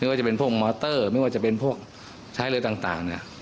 ว่าจะเป็นพวกมอเตอร์ไม่ว่าจะเป็นพวกใช้อะไรต่าง